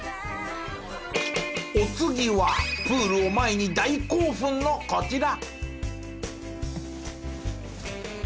お次はプールを前に大興奮のこちら！